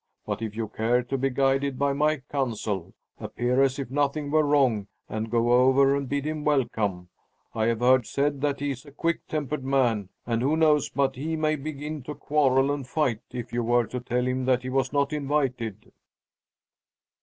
"But if you care to be guided by my counsel, appear as if nothing were wrong and go over and bid him welcome. I have heard said that he is a quick tempered man, and who knows but he may begin to quarrel and fight if you were to tell him that he was not invited?"